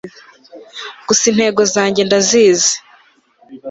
gusa intego zange ndazizi